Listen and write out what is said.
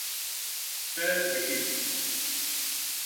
Te bihîst.